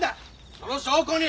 その証拠に！